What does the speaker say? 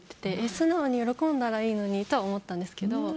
素直に喜んだらいいのにとは思ったんですけど。